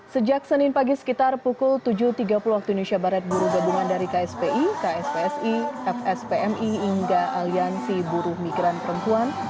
sejak senin pagi sekitar pukul tujuh tiga puluh waktu indonesia barat buruh gabungan dari kspi kspsi fspmi hingga aliansi buruh migran perempuan